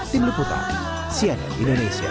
tim leputan cnn indonesia